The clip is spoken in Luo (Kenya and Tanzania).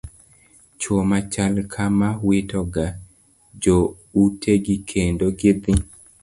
Chuo machal kamaa wito ga joutegi kendo gidhi